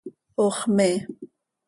Ox mee.